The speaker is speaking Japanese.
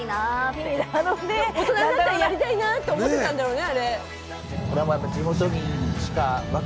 大人になったらやりたいなと思ってたんだろね。